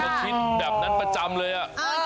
ก็คิดแบบนั้นประจำเลย